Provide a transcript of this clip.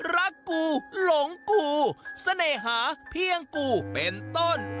รักกูหลงกูเสน่หาเพียงกูเป็นต้น